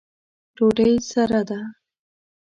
ډوډۍ سره ده